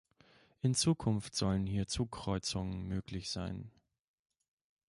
In Zukunft sollen hier Zugkreuzungen möglich sein.